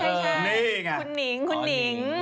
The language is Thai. นี่ไงคุณนิ้งคุณนิ้ง